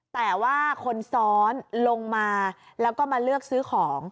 แต่ว่าคนซ้อนลงมาแล้วก็มาเลือกซื้อของ